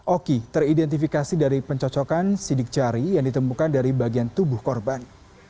oki teridentifikasi dari pencocokan sidik jari yang ditemukan dari bagian tubuh korban